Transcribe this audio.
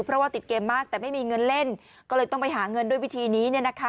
เพราะว่าติดเกมมากแต่ไม่มีเงินเล่นก็เลยต้องไปหาเงินด้วยวิธีนี้